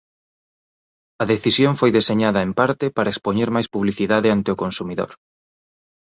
A decisión foi deseñada en parte para expoñer máis publicidade ante o consumidor.